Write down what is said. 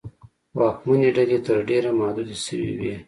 واکمنې ډلې تر ډېره محدودې شوې وې.